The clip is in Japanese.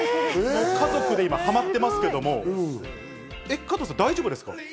家族で今、ハマってますけど、加藤さん、大丈夫ですか？